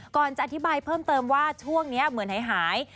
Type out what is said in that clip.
ก่อนจะอธิบายเพิ่มเติมว่าช่วงนี้เหมือนหาย